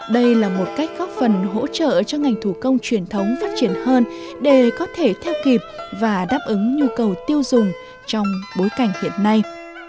đây là một cách góp phần hỗ trợ cho ngành thủ công truyền thống phát triển hơn để có thể theo kịp và đáp ứng nhu cầu tiêu dùng trong bối cảnh hiện nay